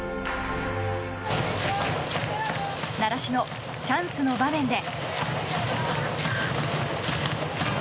習志野、チャンスの場面で。